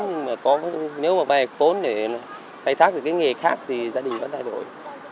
nếu mà bày vốn để thay thác được cái nghề khác thì gia đình vẫn thay đổi